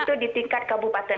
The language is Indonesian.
itu di tingkat kabupaten